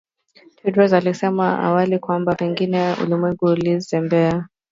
Tedros alisema awali kwamba pengine ulimwengu umezembea